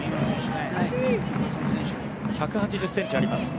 １８０ｃｍあります。